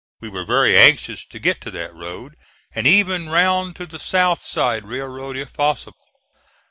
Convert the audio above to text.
We were very anxious to get to that road, and even round to the South Side Railroad if possible.